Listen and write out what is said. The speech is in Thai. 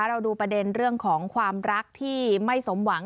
เราดูประเด็นเรื่องของความรักที่ไม่สมหวัง